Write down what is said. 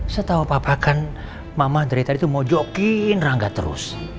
setau papa kan mama dari tadi tuh mau jokin rangga terus